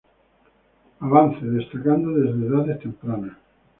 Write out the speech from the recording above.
Avance, destacando desde edades tempranas.